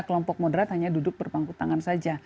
kelompok moderat hanya duduk berpangku tangan saja